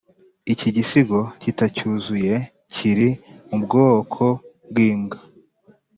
iki gisigo, kitacyuzuye, kiri mu bwoko bwimbwa